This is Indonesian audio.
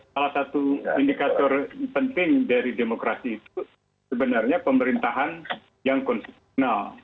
salah satu indikator penting dari demokrasi itu sebenarnya pemerintahan yang konstitusional